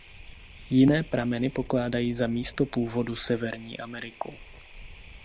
Jiné prameny pokládají za místo původu Severní Ameriku.